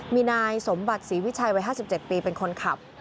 มีนายสมบัติศรีวิชัยวัย๕๗ปีเป็นคนขับ